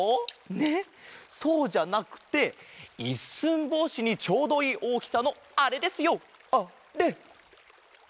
ねっそうじゃなくて一寸法師にちょうどいいおおきさのあれですよあれ！